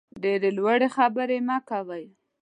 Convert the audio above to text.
ډېرې لوړې خبرې مه کوئ.